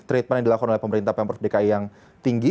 treatment yang dilakukan oleh pemerintah pemprov dki yang tinggi